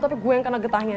tapi gue yang kena getahnya